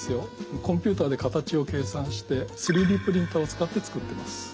コンピューターで形を計算して３Ｄプリンターを使って作ってます。